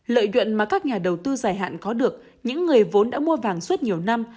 lợi nhuận mà các nhà đầu tư dài hạn có được những người vốn đã mua vàng suốt nhiều năm